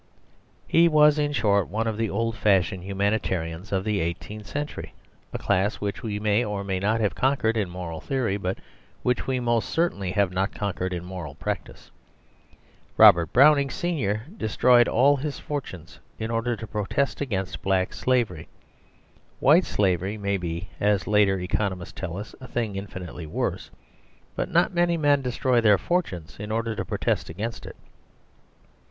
He was, in short, one of the old fashioned humanitarians of the eighteenth century, a class which we may or may not have conquered in moral theory, but which we most certainly have not conquered in moral practice. Robert Browning senior destroyed all his fortunes in order to protest against black slavery; white slavery may be, as later economists tell us, a thing infinitely worse, but not many men destroy their fortunes in order to protest against it.